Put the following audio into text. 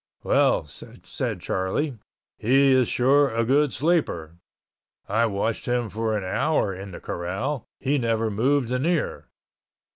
"Well," said Charlie, "he is sure a good sleeper. I watched him for an hour in the corral; he never moved an ear."